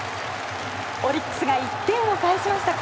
オリックスが１点を返しました。